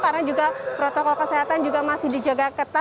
karena juga protokol kesehatan juga masih dijaga